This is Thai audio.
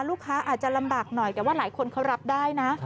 ลูกค้าอาจจะลำบากหน่อยแต่ว่าหลายคนเขารับได้นะ